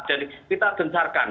dan kita gencarkan